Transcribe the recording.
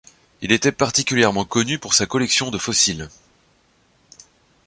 Il était particulièrement connu pour sa collection de fossiles.